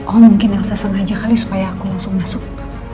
oh mungkin elsa sengaja kali supaya aku langsung masuk